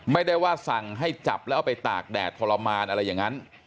ไม่ได้ว่าสั่งให้จับแล้วเอาไปตากแดดทรมานอะไรอย่างนั้น